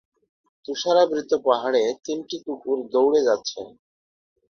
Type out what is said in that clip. তুষারাবৃত পাহাড়ে তিনটি কুকুর দৌড়ে যাচ্ছে।